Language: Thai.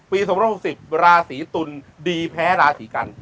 ๒๖๐ราศีตุลดีแพ้ราศีกัน